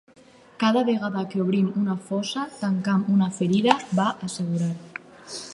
Cada vegada que obrim una fossa tancam una ferida, va assegurar.